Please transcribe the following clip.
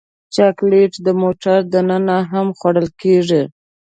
چاکلېټ د موټر دننه هم خوړل کېږي.